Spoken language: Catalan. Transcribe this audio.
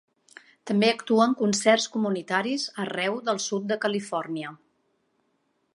També actua en concerts comunitaris arreu del sud de Califòrnia.